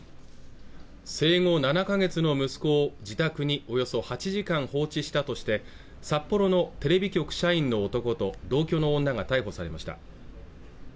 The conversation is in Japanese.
生後７か月の息子を自宅におよそ８時間放置したとして札幌のテレビ局社員の男と同居の女が逮捕されました